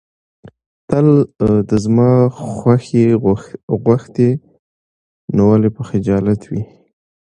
تل د زما خوښي غوښتې، نو ولې به خجالت وې.